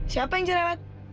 siapa yang cerewet